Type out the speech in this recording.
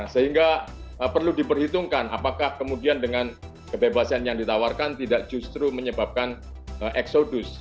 sehingga perlu diperhitungkan apakah kemudian dengan kebebasan yang ditawarkan tidak justru menyebabkan eksodus